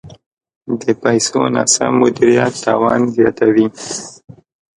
د پیسو ناسم مدیریت تاوان زیاتوي.